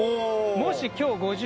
もし今日。